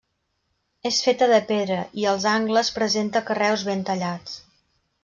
És feta de pedra i als angles presenta carreus ben tallats.